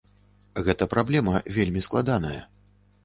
Гэта праблема вельмі складаная.